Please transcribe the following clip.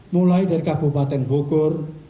mulai dari kabupaten bogor